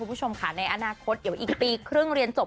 คุณผู้ชมค่ะในอนาคตเดี๋ยวอีกปีครึ่งเรียนจบ